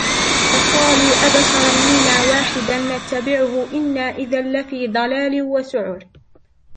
فقالوا أبشرا منا واحدا نتبعه إنا إذا لفي ضلال وسعر